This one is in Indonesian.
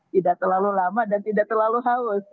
tidak terlalu lama dan tidak terlalu haus